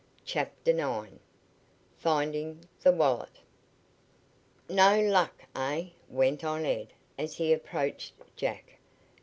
CHAPTER IX FINDING THE WALLET "No luck, eh?" went on Ed as he approached Jack.